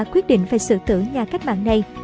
quyết định phải sử tử nhà cách mạng này